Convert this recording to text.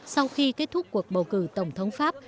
sau khi kết thúc cuộc bầu cử tổng thống pháp